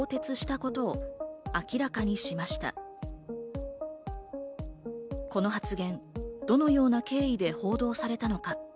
この発言、どのような経緯で報道されたのか。